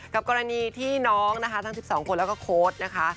กรณีที่น้องนะคะทั้ง๑๒คนแล้วก็โค้ดนะคะ